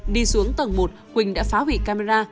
đi xuống tầng một quỳnh đã phá hủy camera